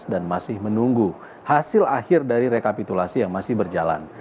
dan masih menunggu hasil akhir dari rekapitulasi yang masih berjalan